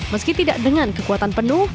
meski tidak dengan kekuatan penuh